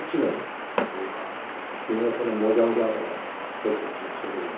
そうか君のそのもじゃもじゃ頭は結構特徴的だが。